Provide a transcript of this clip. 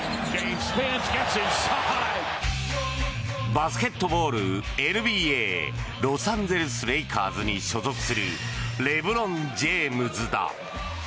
バスケットボールＮＢＡロサンゼルス・レイカーズに所属するレブロン・ジェームズだ。